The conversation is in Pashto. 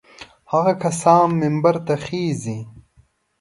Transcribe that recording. هغه کسان منبر ته خېژي.